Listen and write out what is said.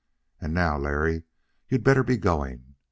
And now, Larry, you'd better be going.